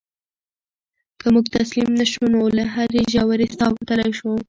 که موږ تسلیم نه شو نو له هرې ژورې څاه وتلی شو.